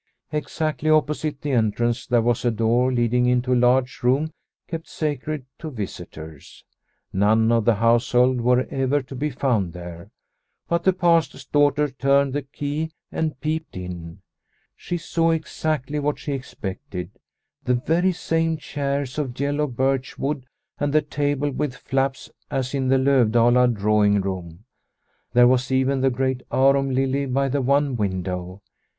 Exactly opposite the entrance there was a door leading into a large room kept sacred to visitors. None of the household were ever to be found there, but the Pastor's daughter turned the key and peeped in. She saw exactly what she expected : the very same chairs of yellow birch wood and the table with flaps as in the Lovdala drawing room ; there was even the 134 Liliecrona's Home great arum lily by the one window.